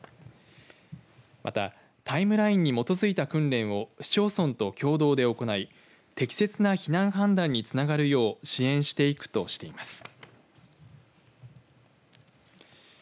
またタイムラインに基づいた訓練を市町村と共同で行い適切な避難判断につながるよう支援していくとしています。